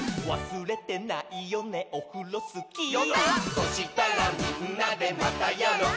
「そしたらみんなで『またやろう！』」